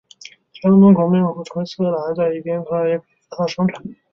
天鹅绒革命后成为斯柯达在一边私人公司也改革它的生产。